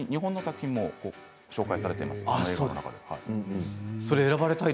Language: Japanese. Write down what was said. ちなみに日本の作品も紹介されています。